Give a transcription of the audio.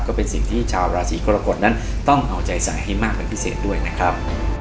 ก็เป็นสิ่งที่ชาวราศีกรกฎนั้นต้องเอาใจใสให้มากเป็นพิเศษด้วยนะครับ